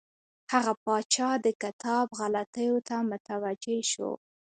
هغه پاچا د کتاب غلطیو ته متوجه شو.